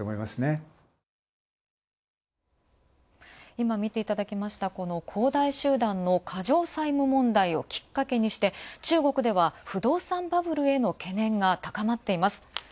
今見ていただきました、この恒大集団の過剰債務問題をきっかけにして、中国では、不動産バブルへの懸念が高まっています。